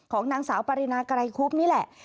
ของนางสาวปรินาไกรคุบนี่แหละ